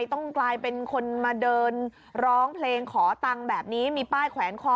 ทำไมยายมีป้ายแขวนคอ